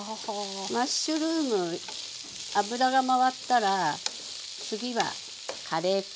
マッシュルーム油が回ったら次はカレー粉。